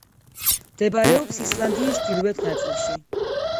მდებარეობს ისლანდიის ჩრდილოეთ ნაწილში.